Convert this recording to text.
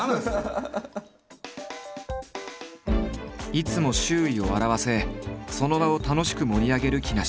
いつも周囲を笑わせその場を楽しく盛り上げる木梨。